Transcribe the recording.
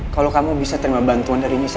kalau kamu bisa terima bantuan dari nisa